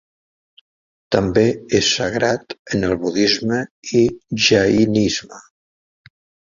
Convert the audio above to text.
També és sagrat en el Budisme i Jainisme.